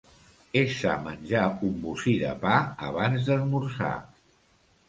És sa menjar un bocí de pa abans d'esmorzar.